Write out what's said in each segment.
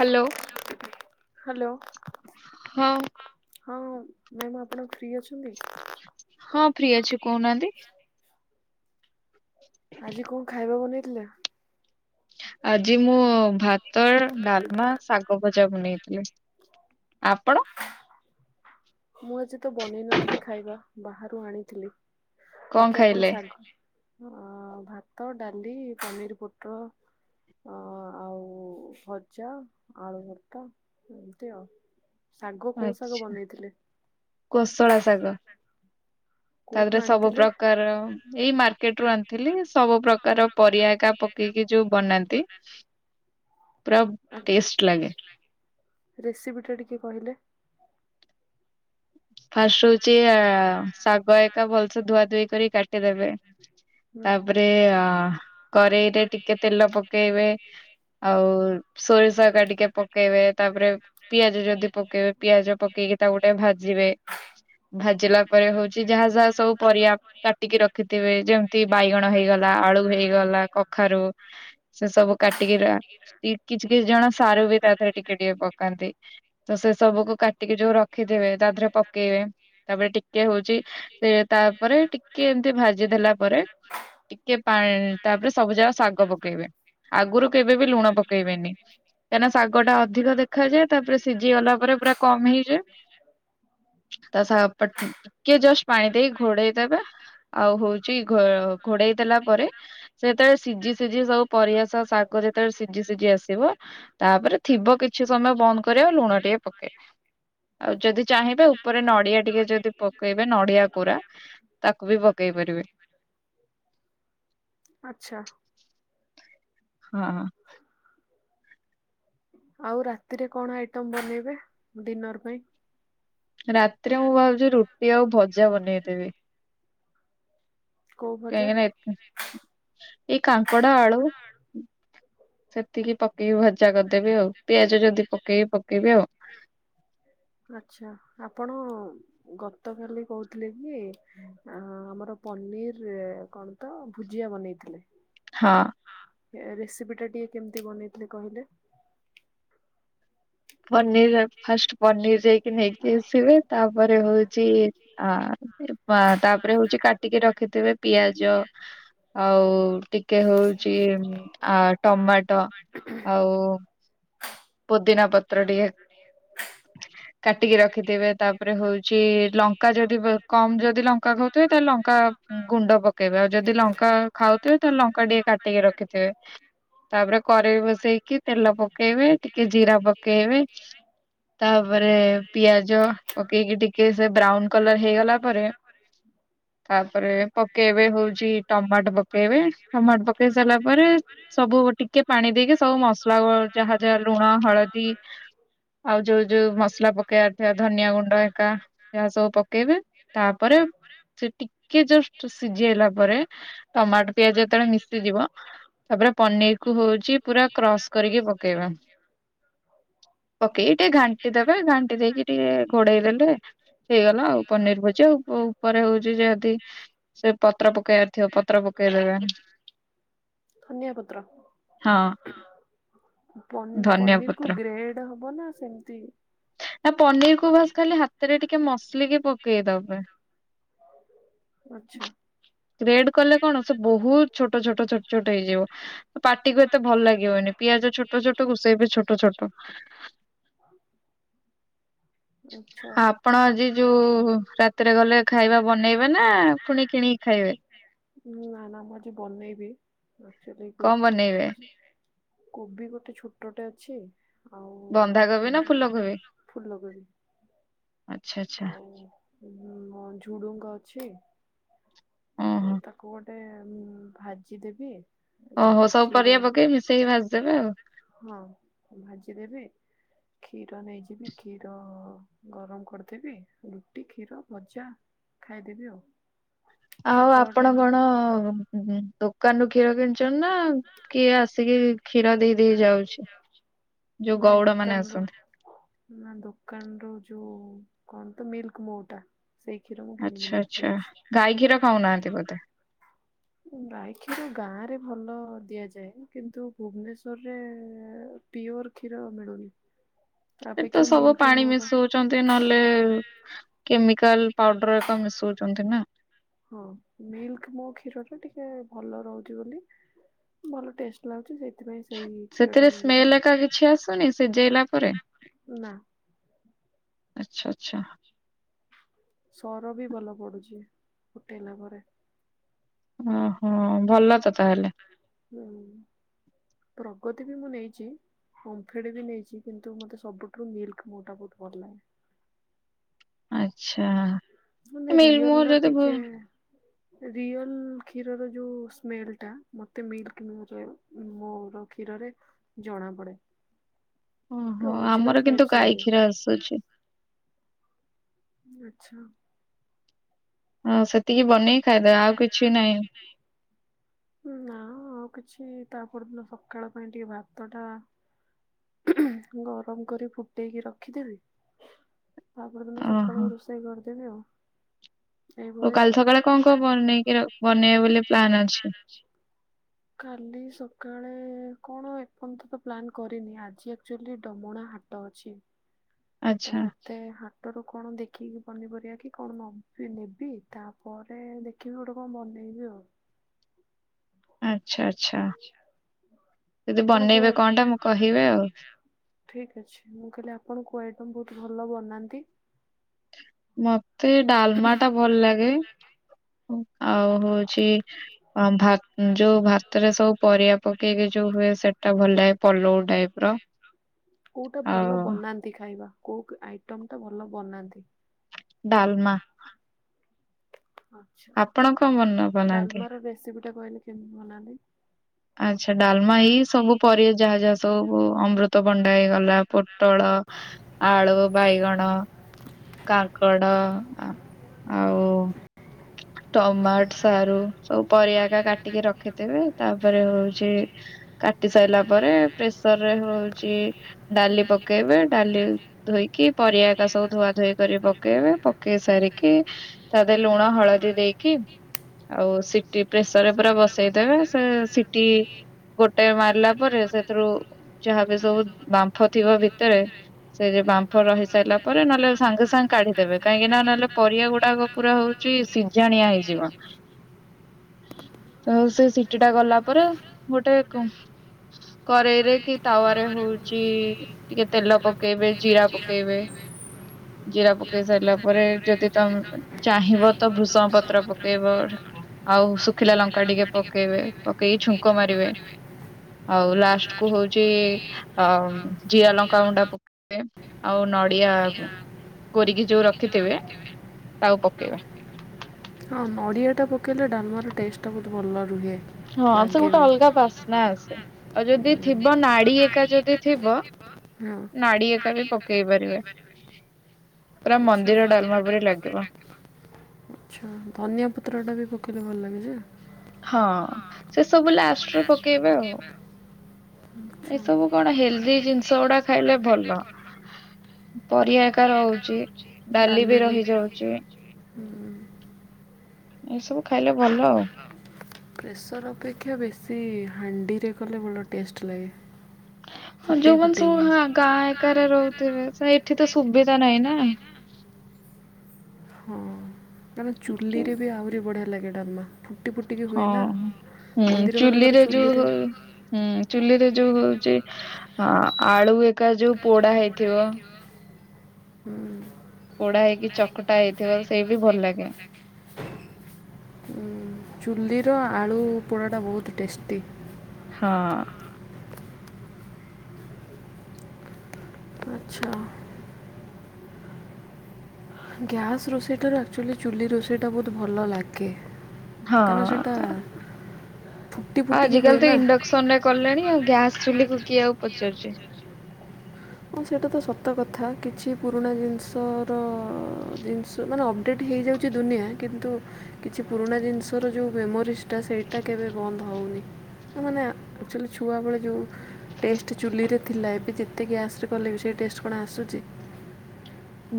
Hello hello ହଁ ହଁ ଉ ମ୍ୟାମ୍ ଆପଣ ଫ୍ରି ଅଛନ୍ତି? ହଁ ଫ୍ରି ଅଛି କହୁନାହାନ୍ତି। ଆଜି କଣ ଖାଇବା ବନେଇଥିଲେ? ଆଜି ମୁଁ ଭାତ, ଡାଲମା, ଶାଗ ଭଜା ବନେଇଥିଲି। ଆପଣ? ମୁଁ ଆଜି ତ ବନେଇ ନଥିଲି ଖାଇବା ବାହାରୁ ଆଣିଥିଲି। କଣ ବାକି ଆପଣ ଖାଇଲେ? ଶାଗ [inaudible] ଅ ଭାତ, ଡାଲି, ପନିର ପୋଟଳ ଅ ଆଉ ଭଜା, ଆଳୁଭର୍ତ୍ତା ଏମିତି ଆଉ ଶାଗ କୋଉ ଶାଗ ଆଚ୍ଛା ବନେଇଥିଲେ? କୋଉଠୁ ତାପରେ ସବୁ ଆଣିଥିଲେ? ପ୍ରକାର ଏଇ ମାର୍କେଟ ରୁ ଆଣିଥିଲି ସବୁ ପ୍ରକାର ପରିବା ଏକା ପକେଇକି ଯୋଉ ବନାନ୍ତି ପୁରା ଟେଷ୍ଟ ଲାଗେ। ରେସିପି ଟା ଟିକେ କହିଲେ? ଫାଷ୍ଟ ହଉଛି ଆ ଶାଗ ଏକା ଭଲସେ ଧୁଆ ଧୁଇ କରି କାଟିଦେବେ। ହୁଁ। କରେଇ ରେ ଟିକେ ତେଲ ପକେଇବେ। ଆଉ ସୋରିଷ ଏକା ଟିକେ ପକେଇବେ ତାପରେ ପିଆଜ ଯଦି ପକେଇବେ ପିଆଜ ପକେଇକି ତାକୁ ଗୋଟେ ଭାଜିବେ। ଭାଜିଲା ପରେ ହଉଛି ଯାହା ଯାହା ସବୁ ପରିବା କାଟିକି ରଖିଥିବେ ଯେମ ତି ବାଇଗଣ ହେଇଗଲା ଆଳୁ ହେଇଗଲା କଖାରୁ ସେ ସବୁ କାଟିକି ର କିଛି କିଛି ଜଣ ସାରୁ ବି ତା ରେ ଟିକେ ଟିକେ ପକାନ୍ତି ତ ସେ ସବୁ କାଟିକି ଯୋଉ ର ରଖିଥିବେ ତା ଦେହରେ ପକେଇବେ। ତାପରେ ଟିକେ ହଉଛି ସେ ତାପରେ ଟିକେ ଏମିତି ଭାଜି ଦେଲା ପରେ। ଟିକେ ପା ତାପରେ ସବୁ ଯାଗ ଶାଗ ପକେଇବେ। ଆଗରୁ କେବେ ବି ଲୁଣ ପକେଇବେନି। କାହିଁକିନା ଶାଗ ଟା ଅଧିକ ଦେଖାଯାଏ ତାପରେ ସିଝି ଗଲା ପରେ ପୁରା କମ ହେଇଯାଏ। ତା ସା ପା ଟିକେ ଜଷ୍ଟ ପାଣି ଦେଇ ଘୋଡେଇଦବେ ଆଉ ହଉଛି ଘ ଘୋଡେଇ ଦେଲା ପରେ ସେତେବେଳେ ସିଝି ସିଝି ସବୁ ପରିବା ସହ ଶାଗ ଯେତେବେଳେ ସିଝି ସିଝି ଆସିବ। ତାପରେ ଥିବ କିଛି ସମୟ ବନ୍ଦ କରିବ ଆଉ ଲୁଣ ଟିକେ ପକେଇବେ। ଆଉ ଯଦି ଚାହିଁବେ ଉପରେ ନ ନଡିଆ ଟିକେ ଯଦି ପକେଇବେ ନଡିଆ ପ ତାକୁ ବି ପକେଇପାରିବା [inaudible] ଆଚ୍ଛା। ହଁ। ଆଉ ରାତିରେ କଣ ଆଇଟମ ବନେଇବେ ଡିନର ପାଇଁ? ରାତିରେ ମୁଁ ଭାବୁଛି ରୁଟି ଆଉ ଭଜା ବନେଇଦେବି। କୋଉ ଭଜା? କାହିଁଙ୍କିନା ଏ ଏ କାଙ୍କଡ ଆଳୁ। ସେତିକି ପକେଇକି ଭଜା କରିଦେବି ଆଉ ପିଆଜ ଯଦି ପକେଇବି ପକେଇବି ଆଉ। ଆଛା ଆପଣ ଗତ କାଲି କହୁଥିଲି କି ଆମର ପନିରରେ କଣ ତ ଭୁଜିଆ ବନେଇଥିଲେ। ହଁ। ରେସିପି ଟା ଟିକେ କେମିତି ବନେଇଥିଲେ କହିଲେ? ପନିର ଫାଷ୍ଟ ପନିର ଯାଇକି ନେଇକି ଆସିବେ ତାପରେ ହଉଛି। ଆ ତାପରେ ହଉଛି କାଟିକି ରଖିଥିବେ ପିଆଜ। ଆଉ ଟିକେ ହଉଚି ଆ ଟମାଟୋ। ଆଉ ପୁଦିନା ପତ୍ର ଟିକେ। କାଟିକି ରଖିଥିବେ ତାପରେ ହଉଛି ଲଙ୍କା ଯଦି କ କମ ଯଦି ଲଙ୍କା ଖାଉଥିବେ ତାହେଲେ ଲଙ୍କା। ଗୁଣ୍ଡ ପକେଇବେ ଆଉ ଯଦି ଲଙ୍କା ଖାଉଥିବେ, ତାହେଲେ ଲଙ୍କା ଟିକେ କାଟିକି ରଖିଥିବେ। ତାପରେ କରେଇ ବସେଇକି ତେଲ ପକେଇବେ ଟିକେ ଜିରା ପକ ଜିରା ପକେଇବେ। ତାପରେ ପିଆଜ ପକେଇକି ଟିକେ ସେ ବ୍ରାଉନ କଲର ହେଇଗଲା ପରେ। ତାପରେ ପକେଇବେ, ହଉଛି ଟମାଟ ପକେଇବେ, ଟମାଟ ପକେଇ ସାରିଲା ପରେ ସବୁ ଗୋ ଟିକେ ପାଣି ଦେଇକି ସବୁ ମସଲା [unintelligible] ଯାହା ଯାହା ଲୁଣ, ହଳଦୀ। ଆଉ ଯୋଉ ଯୋଉ ମସଲା ପକ ପକେଇବାର ଥିବା ଧନିଆ ଗୁଣ୍ଡ ଏକା, ଏହା ସବୁ ପକେଇବେ ତାପରେ ସେଟି ଟିକେ ଜଷ୍ଟ ସିଝି ହେଲା ପରେ ଟମାଟୋ ପିଆଜ ଯେତେବେଳେ ମିଶିଯିବ, ତାପରେ ପନିର କୁ ହଉଛି ପୁରା କ୍ରସ୍ କରିକି ପକେଇବା। ପକେଇକି ଟିକେ ଘାଣ୍ଟି ଦେବେ, ଘାଣ୍ଟି ଦେଇକି। ଟିକେ ଘୋଡେଇ ଦେଲେ ହେଇଗଲା ଆଉ ପନିର ଭଜା ଆଉ ଉପରେ ହଉଛି ଯଦି ସେ ପତ୍ର ପକେଇବାର ଥିବ ପତ୍ର ପକେଇ ଦେବେ। ଧନୀଆ ପତ୍ର, ହଁ। ପନ୍ ଧନିଆ ପନିରକୁ ପତ୍ର ଗ୍ରେଡ ହବ ନା ସେମତି? ନା ପନିର କୁ ଭସ ଖାଲି ହାତରେ ଟିକେ ମସଲିକି ପକେଇଦବେ। ଆଛା। ରେଡ କଲେ କଣ ସେ ବହୁତ ଛୋଟ, ଛୋଟ, ଛୋଟ, ଛୋଟ ହେଇଯିବ। ପାଟିକୁ ଏତେ ଭଲ ଲାଗିବନି, ପିଆଜ ଛୋଟ ଛୋଟ ରୋଷେଇ ବି ଛୋଟ ଛୋଟ। ହଁ? ଆ ଆପଣ ଆଜି ଯୋଉ ରାତିରେ ଗଲେ ଖାଇବା ବନେଇବେ ନା ପୁଣି କିଣି ଖାଇବେ? ମୁଁ ଆନା ମୁଁ ଆଜି ବନେଇବି [unintelligible] ହଁ କଣ ବନେଇବେ ବାନେଇବେ। କୋବି ଗୋଟେ ଛୋଟଟେ ଅଛି ଆଉ ବନ୍ଧାକୋବି ନା ଫୁଲକୋବି, ଫୁଲକୋବି। ଆଚ୍ଛା ଆଚ୍ଛା ଆଉ [unintelligible] ଝୁଡୁଙ୍ଗ ଅଛି? ଓହୋ ଆଉ ତାକୁ ଗୋଟେ ଭାଜି ଦେବି। ଓହୋ, ସବୁ ପରିବା ପକେଇ ମିଶେଇ ଭାଜିଦେବେ ଆଉ। ହଁ, ଭାଜିଦେବେ? କ୍ଷୀର ନେଇଯିବି, କ୍ଷୀର ଗରମ କରିଦେବି ରୁଟି କ୍ଷୀର ଭଜା? ଖାଇଦେବି ଆଉ। ଆଉ ସକାଳ ଆପଣ ଟାଇମ କଣ ଦୋ ଦୋକାନରୁ କ୍ଷୀର କିଣିଛ ନା କିଏ ଆସିକି କ୍ଷୀର ଦେଇଦେଇ ଯାଉଛି? ଯୋଉ ନାଇଁ ଗଉଡ ମାନେ ଦୋକାନରୁ ଆସନ୍ତି। ନା ଦୋକାନ ର ଯୋଉ କଣ ତ ମିଲ୍କ ମଉଟା? ସେଇ କ୍ଷୀର ମୁଁ କିଣିକି ନେଇକି ଯାଉଛି, ଗାଈ କ୍ଷୀର। ଦେବତା ଗଈ କ୍ଷୀର ଗାଁରେ ଭଲ ଦିଆଯାଏ, କିନ୍ତୁ ଭୁବନେଶ୍ଵରରେ? ପିଓର ଖୀର ମିଳୁନି। ତା ଏତ ଅପେକ୍ଷା ସବୁ ମିଲ୍କ ପାଣି ମୋର ମିଶଉଛନ। ରେ ନହେଲେ କେମିକାଲ ପାଉଡର ଏକ ମିଶଉଛନ୍ତି ନା? ହଁ ମିଲ୍କ ମୋ କ୍ଷୀରରେ ଟିକେ ଭଲ ରହୁଛି ବୋଲି ଭଲ ଟେଷ୍ଟ। ଲାଗୁଛି ସେଥିପାଇଁ ସେଇ କ୍ଷୀର ଟା ସେଥିରେ ସ୍ମେଲ ଏକା କିଛି ଆସୁନି ସିଝେଇଲା ପରେ? [unintelligible] ନା। ଆଚ୍ଛା, ଆଚ୍ଛା। ସର ବି ଭଲ ପଡୁଛି ଫୁଟେଇଲା ପରେ। ଓହୋ ଭଲ। ଭଲ ତ ତାହେଲେ ହୁଁ ପ୍ରଗତି ବି ମୁଁ ନେଇଚି। ଓମ୍ଫେଡ୍ ବି ନେଇଚି କିନ୍ତୁ ମତେ ସବୁଠୁ ମିଲ୍ ମୋ ଟା ବହୁତ୍ ଭଲ ଲାଗେ। ଆଚ୍ଛା। ମାନେ ମିଲ୍ ରିୟଲ୍ ମୁଁ ର ଯଦି ଭୁ ଟିକେ ରିଅଲ କ୍ଷୀରର ଯୋଉ ସ୍ମେଲ୍ ଟା ମତେ ମିଲକ୍ ମୁଁ ମୋର କ୍ଷୀରରେ ଜଣା ପଡେ ଓହୋ ଆମର ଅଜିନାଲ୍ କିନ୍ତୁ ଟାଇପସ୍ ଗାଈ ଲାଗେ। କ୍ଷୀର ଆସୁଛି। ଉ ଆଚ୍ଛା। ହଁ ସେତିକି ବନେଇ ଖାଇଦେ ଆଉ କିଛି ନାହିଁ। ଉଁ ନାଁ ଆଉ କିଛି ତା ପରଦିନ ସକାଳ ପାଇଁ ଟିକେ ଭାତଟା ଗରମ କରି ଫୁଟେଇକି ରଖିଦେବି ତାପରଦିନ ଓହୋ। ସକାଳୁରୁଷ ସେଇ କରିଦେବି ଆଉ। ଓ ଏଇଭଳି ଆଉ। କାଲି ସକାଳେ କଣ କଣ ବନେଇକି ର ବନେଇବେ ବୋଲି ପ୍ଲାନ୍ ଅଛି? କାଲି ସକାଳେ କଣ ଏପର୍ଯ୍ୟନ୍ତ ତ ପ୍ଲାନ୍ କରିନି ଆଜି ଆକ୍ଚୋଲି ଡମଣା ହାଟ ଟ ଅଛି ତମ ଆଚ୍ଛା ମତେ ହାଟରୁ କଣ ଦେଖିକି ପନିପରିବା କି କଣ ନବି ନେବି ତାପରେ ଦେ କିଏ ଗୋଟେ କଣ ବନେଇବି ଆଉ। ଆଚ୍ଛା ଆଚ୍ଛା ଯଦି ଆପଣ କୋଉ ବନେଇବେ ଆଇ କଣ ଟା ମୁଁ କହିବେ ଆଉ। ଠିକ୍ ଅଛି ମୁଁ କହିଲି ଆପଣ କୋଉ ଆଇଟମ୍ ବହୁତ୍ ଭଲ ବନାନ୍ତି? ମତେ ଡାଲମା ଟା ଭଲ ଲାଗେ ଆଉ ହଉଛି ଭା ଯୋଉ ଭାତରେ ସବୁ ପରିବା ପକେଇକି ଯୋଉ ହୁଏ ସେଟା ଭଲ ଲାଗେ ପଲଉ ଟାଇପ୍ ର। କୋଉଟା ଭଲ ଆଉ ବନାନ୍ତି ଖାଇବା କୋଉ ଆଇଟମ୍ ଟା ଭଲ ବନାନ୍ତି? ଡାଲମା। ଆପଣ କଣ ମନ ଆଚ୍ଛା ବନାନ୍ତି? ଡାଲମାର ରେସିପି ଟା କହିଲେ କେମିତି ବନାନ୍ତି? ଆଚ୍ଛା ଡାଲମା ଏଇ ସବୁ ପରିବା ଯାହା ଯାହା ସବୁ ଅମୃତ ବଣ୍ଡା ହେଇଗଲା ପୋଟଳ ଆଳୁ, ବାଇଗଣ, କାଙ୍କଡ଼ ଆ ଆଉ ଟମାଟ୍, ସାରୁ ସବୁ ପରିବା ଏକା କାଟିକି ରଖିଦେବେ ତା ହଉଚି କାଟି ସାରିଲା ପରେ ପ୍ରେସର ରେ ହଉଚି ଡାଲି ପକେଇବେ ଡାଲି ଧୋଇକି ପରିବା ଏକା ସବୁ ଧୁଆ ଧୋଇ କରି ପକେଇବେ ପ ପକେଇ ସାରିକି ତା ଲୁଣ ହଳଦୀ ଦେଇକି ଆଉ ସିଟି ପ୍ରେସରରେ ପୁରା ବସେଇଦେବେ ସେ ସିଟି ଗୋଟେ ମାରିଲା ପରେ ସେଥିରୁ ଯାହାବି ସବୁ ବାମ୍ଫ ଥିବ ଭିତରେ ସେ ଯୋଉ ବାମ୍ଫ ରହିସାରିଲା ପରେ ନହେଲେ ସାଙ୍ଗେ ସାଙ୍ଗେ କାଢିଦେବେ କାହିଁକି ନାଁ ନହେଲେ ପରିବା ଗୁଡାକ ପୁରା ହଉଚି ସିଜାଣିଆ ହେଇଯିବ ତଉ ସେ ସିଟିଟା ଗଲା ରେ ଗୋଟେ କୁ କରେଇରେ କି ତାୱାରେ ହଉଚି ଟିକେ ତେଲ ପକେଇବେ ଜିରା ପକେଇବେ [unintelligible] ଜିରା ପକେଇ ସାରିଲା ପରେ ଯଦି ତମେ ଚାହିଁବ ତ ଭୃଷଙ୍ଗ ପତ୍ର ପକେଇବ ଆଉ ଶୁଖିଲା ଲଙ୍କା ଟିକେ ପକେଇବେ। କେଇ ଛୁଙ୍କ ମାରିବେ। ଆଉ ଲାଷ୍ଟ୍ କୁ ହଉଚି ଅ ଜିରା ଲଙ୍କା ଗୁଣ୍ଡା ପ ଆଉ ନଡିଆ କୋରିକି ଯୋଉ ରଖିଥିବେ ତାକୁ ପକେଇବେ। ହଁ ନଡ଼ିଆ ଟା ପକେଇଲେ ଡାଲମା ର ଟେଷ୍ଟ୍ ଟା ବହୁତ୍ ଭଲ ରୁହେ। ଗୋଟେ ଅଲଗା ଯଦି ଥିବ ନାଡି ଏକା ଯଦି ଥିବ। ହଁ। ନାଡି ଏକା ବି ପକେଇ ପାରିବେ ହେଇପାରିବନି ସେ ମନ୍ଦିର ଡାଲମା ପରି ଲାଗିବ। ଆଚ୍ଛା ଧନିଆ ପତ୍ରଟା ବି ପକେଇଲେ ଭଲ ଲାଗେ ଯେ। ହଁ ସେ ସବୁ ଲାଷ୍ଟେରେ ପକେଇବେ ଆଉ। ତମେ କଣ ହେଲ୍ଦି ଜିନିଷ ଗୁଡା ଖାଇଲେ ଭଲ? ପରିବା ପରିହା ଏକା ରହୁଛି। ରହୁଛି ବାଲି ବି ରହିଯାଉଛି ହୁଁ। ଏଇ ସବୁ ଖାଇଲେ ଭ ଖାଇଲେ ଭଲ ଆଉ। ପ୍ରେସର୍ ଅପେକ୍ଷା ବେଶୀ ହାଣ୍ଡିରେ କଲେ ଭଲ ଟେଷ୍ଟ୍ ଲାଗେ। ହଁ ଫୁଟେଇ ଯୋଉମାନେ ଫୁଟେଇ ସବୁ ହଁ ଆ କର ଏକାରେ ଗାଁ ରହୁଥିବେ ସେ ଏଠି ଏରିଆରେ ତ ସୁବିଧା ନାହିଁ ନା ହଁ କାରଣ କି ଚୁଲିରେ ବି ଆହୁରି ବଢ଼ିଆ ଲାଗେ ଡାଲମା। ଫୁଟି ଫୁଟିକି ହୁଏ ହଁ। ନା ମନ୍ଦିର ମାନଙ୍କର ଚୁଲିରେ ଯୋଉ ହୁଁ ଚୁଲିରେ ଯୋଉ ହଉଛି ହଁ ହୁଁ, ଆଳୁ ହେରିକା ଯୋଉ ପୋଡା ହେଇଥିବ? ପୋଡା ହେଇକି ଚକଟା ହେଇଥିବ ସେଇଟି ଭଲ ଲାଗେ। ଚୁଲିର ଆଳୁ ପୋଡ଼ାଟା ବହୁତ୍ ଟେଷ୍ଟି। ହଁ। ଆଛା। ଗ୍ୟାସ୍ ରୋଷେଇଠାରୁ ଆକ୍ଚୁଆଲି ଚୁଲି ରୋଷେଇଟା ବହୁତ ଭଲ ଲାଗେ। ଓକେ କାରଣ ହଁ ସେଟା? ଫୁଟି ଫୁଟି କି ଆଜିକାଲି ତ ହୁଏନା ଇଣ୍ଡକ୍ସନ ରେ ଇଣ୍ଡାକ୍ସନରେ ଆଉ କଲେଣି ଗ୍ୟାସ ଗ୍ୟାସ୍ ଚୁଲିକୁ ଚୁଲା କୁ ଆଉ କିଏ ପଚାରୁଛି? ହଁ ସେଟା ତ ସତ କଥା କିଛି ପୁରୁଣା ଜିନିଷ ର ଜିନିଷ ମାନେ ଅପଡ଼େଟ୍ ହେଇଯାଉଛି ଦୁନିଆଁ କିନ୍ତୁ କିଛି ପୁରୁଣା ଜିନିଷର ଯେଉଁ ମେମୋରିସ୍? ଟା ସେଇଟା କେବେ ବନ୍ଦ ହଉନି? ମାନେ ଆକ୍ଚୁଆଲି ଛୁଆଁବେଳେ ଯେଉଁ ଟେଷ୍ଟ୍ ଚୁଲିରେ ଥିଲା ଏବେ ଯେତେ ଗ୍ୟାସ୍ ରେ କଲେ ବି ସେ ଟେଷ୍ଟ୍ କଣ ଆସୁଛି?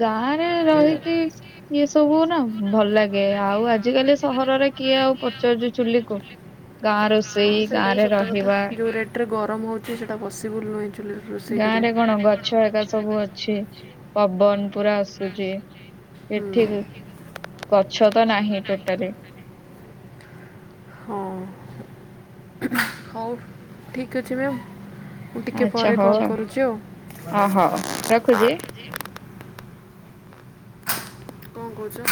ଗାଁ ରେ ରହିକି ଇଏ ସବୁ ହୁନା ଭଲ ଲାଗେ ଆଉ ଆଜିିକାଲି ସହରରେ କିଏ ଆଉ ପଚାରୁଚି ଚୁଲିକୁ? ଗାଁ ରୋଷେଇ ଗାଁ ରେ ରହିବା। ଏରେ ଗରମ ହେଉଛି ସେଇଟା ପସିବୁଲ୍ ନୁହେଁ ଚୁଲିରେ। ରୋଷେଇ ଗାଁ କରିବା। ରେ କଣ ଗଛ ହେଗା ସବୁ ଅଛି। ପବନ ପୁରା ଆସୁଛି ହୁଁ ଏଠିକି ଏମିତି ଗଛ ତ ନାହିଁ ଟୋଟାଲି। ହଁ ହଉ ଠିକ ଅଛି ମ୍ୟାମ୍। ମୁଁ ଟିକେ ଆଚ୍ଛା ପରେ କଲ୍ ହଉ କରୁଛି ଆଉ ଆ ହଉ ରଖୁଛି। କଣ କହୁଛ?